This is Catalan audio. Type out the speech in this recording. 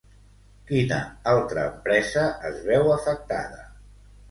Quina altra empresa es veu afectada?